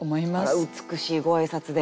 あら美しいご挨拶で。